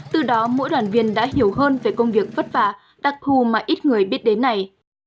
từ đó mỗi đoàn viên đã hiểu hơn về công việc vất vả đặc thù mà ít người biết đến này